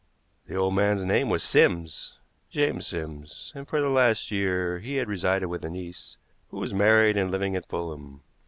The old man's name was Sims James Sims and for the last year he had resided with a niece, who was married and living at Fulham.